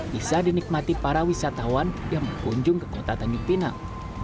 bisa dinikmati para wisatawan yang berkunjung ke kota tanjung pinang